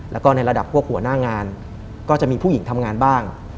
แล้วก็ในระดับพวกหัวหน้างานก็จะมีผู้หญิงทำงานบ้าง